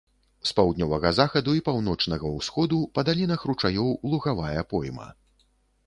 З паўднёвага захаду і паўночнага ўсходу па далінах ручаёў лугавая пойма.